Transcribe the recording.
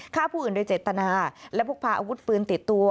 ฆ่าผู้อื่นโดยเจตนาและพกพาอาวุธปืนติดตัว